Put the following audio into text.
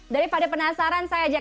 daripada penasaran saya jatuh